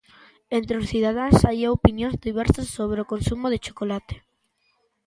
Entre os cidadáns, hai opinións diversas sobre o consumo de chocolate.